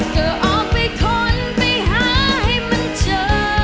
ก็ออกไปค้นไปหาให้มันเจอ